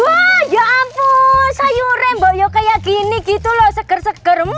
wah ya ampun sayuran yang kayak gini gitu loh seger seger